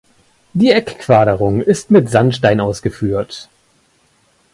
Die Eckquaderung ist mit Sandstein ausgeführt.